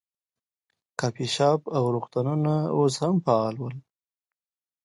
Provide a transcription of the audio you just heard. کافې شاپ او روغتونونه اوس هم فعال ول.